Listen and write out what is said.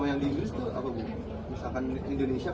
misalkan indonesia kasih enam bulan dari indonesia